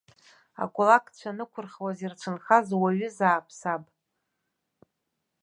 Акулакцәа анықәырхуаз ирцәынхаз уаҩызаап саб.